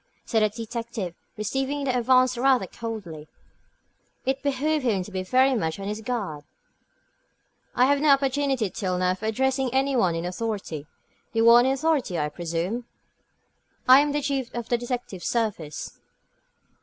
said the detective, receiving the advance rather coldly. It behooved him to be very much on his guard. "I have had no opportunity till now of addressing any one in authority. You are in authority, I presume?" "I am the Chief of the Detective Service."